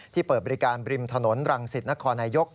เปิดบริการบริมถนนรังสิตนครนายก